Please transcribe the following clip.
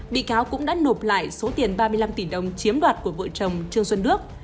bị cáo cũng đã nộp lại số tiền ba mươi năm tỷ đồng chiếm đoạt của vợ chồng trương xuân đức